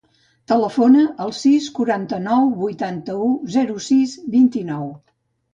Telefona al sis, quaranta-nou, vuitanta-u, zero, sis, vint-i-nou.